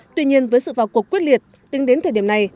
tuy nhiên với sự vào cuộc quyết liệt tính đến thời điểm này